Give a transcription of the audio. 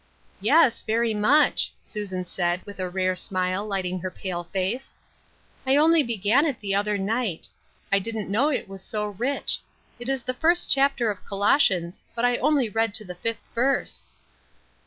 " Yes, very much," Susan said, with a rare smile lighting her pale face ;" I only began it the other night. I didn't know it was so rich. It is the first chapter of Colossians, but I only read to the fifth verse."